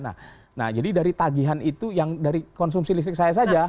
nah jadi dari tagihan itu yang dari konsumsi listrik saya saja